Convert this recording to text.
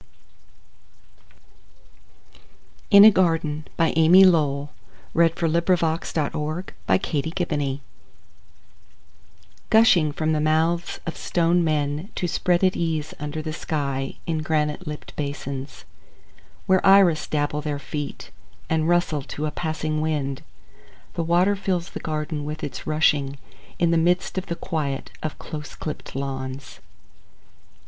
Gather it up from the dust, That its sparkle may amuse you. In a Garden Gushing from the mouths of stone men To spread at ease under the sky In granite lipped basins, Where iris dabble their feet And rustle to a passing wind, The water fills the garden with its rushing, In the midst of the quiet of close clipped lawns.